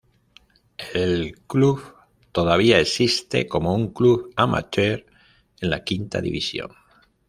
El club todavía existe como un club amateur en la quinta división.